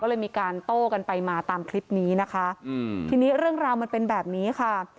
ก็เลยมีการโต้กันไปมาตามคลิปนี้นะคะอืมทีนี้เรื่องราวมันเป็นแบบนี้ค่ะ